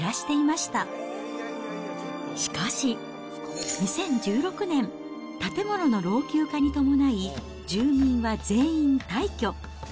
しかし、２０１６年、建物の老朽化に伴い、住民は全員退去。